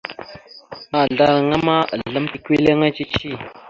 Mahəzlaraŋa ma, azlam tikweleya cici.